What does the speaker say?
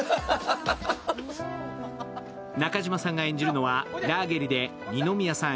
中島さんが演じるのはラーゲリで二宮さん